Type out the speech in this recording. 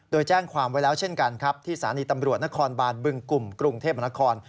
โดยแจ้งความไว้แล้วเช่นกันครับที่สถานีตำรวจนครบานบึงกลุ่มกรุงเทพมนาคม